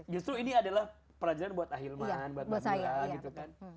justru ini adalah pelajaran buat ahilman buat mbak mira gitu kan